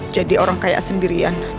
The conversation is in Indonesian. jadi orang kaya sendirian